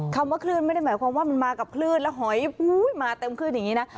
คำว่าขึ้นไม่ได้หมายความว่ามันมากับขึ้นแล้วหอยมาเต็มขึ้นอย่างนี้นะ